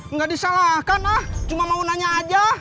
nggak disalahkan ah cuma mau nanya aja